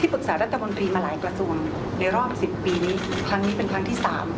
รัฐมนตรีมาหลายกระทรวงในรอบ๑๐ปีนี้ครั้งนี้เป็นครั้งที่๓